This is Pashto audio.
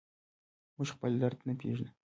موږ خپل درد نه پېژنو.